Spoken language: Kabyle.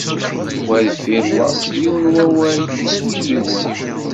Wa deffir wa, yiwen n wawal, iswi yiwen.